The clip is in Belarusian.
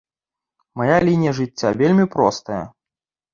Мая лінія жыцця вельмі простая.